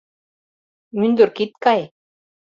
Мӱндырк ит кай.